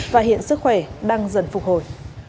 và sức khỏe đang dần phục hồi